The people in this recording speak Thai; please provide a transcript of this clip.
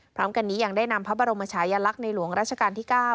พร้อมกันนี้ยังได้นำพระบรมชายลักษณ์ในหลวงราชการที่๙